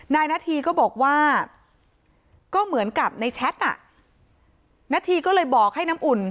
นาธีก็บอกว่าก็เหมือนกับในแชทน่ะนาธีก็เลยบอกให้น้ำอุ่น